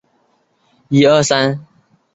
完颜亮使习拈的丈夫稍喝押护卫直宿。